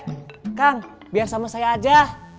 teh kang biar sama saya je